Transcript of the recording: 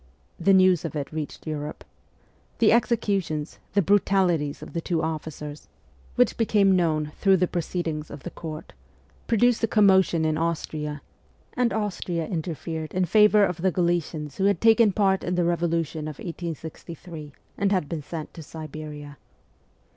The news of it reached Europe. The executions, the brutalities of the two officers, which became VOL. i. s 258 MEMOIRS OF A REVOLUTIONIST known through the proceedings of the court, pro duced a commotion in Austria, and Austria interfered in favour of the Galicians who had taken part in the revolution of 1863 and had been sent to Siberia.